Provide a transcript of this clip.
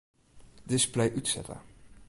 Display útsette.